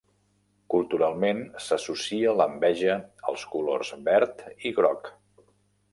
Culturalment s'associa l'enveja als colors verd i groc.